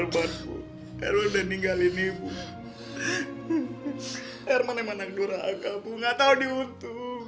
jadi herman dipukuli masa ketika mau mengembalikan motor itu